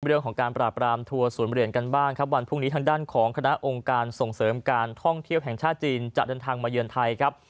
เรื่องของการปราบรามทัวร์ศูนย์เหรียญกันบ้างครับวันพรุ่งนี้ทางด้านของคณะองค์การส่งเสริมการท่องเที่ยวแห่งชาติจีนจะเดินทางมาเยือนไทยครับ